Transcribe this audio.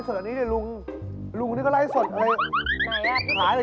สามารถกล้องที่เพียรติกันใช่มั้ย